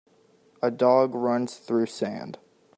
A dog runs through sand.